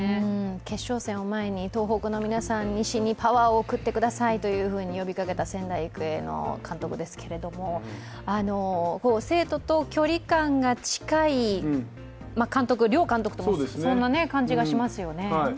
決勝戦を前に、東北の皆さん、必死にパワーを送ってくださいと呼びかけた仙台育英の監督ですけど生徒と距離感が近い監督、両監督ともそんな感じがしますよね。